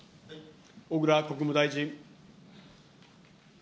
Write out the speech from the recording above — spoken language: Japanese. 小倉国務大臣。